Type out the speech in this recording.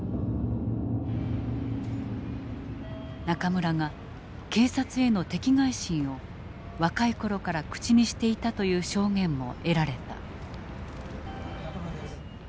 中村が警察への敵がい心を若い頃から口にしていたという証言も得られた。